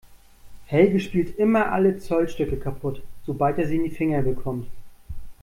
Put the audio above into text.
Helge spielt immer alle Zollstöcke kaputt, sobald er sie in die Finger bekommt.